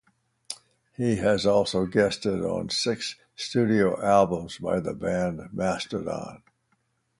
He has also guested on six studio albums by the band Mastodon.